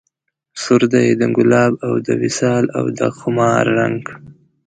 سور دی د ګلاب او د وصال او د خمار رنګ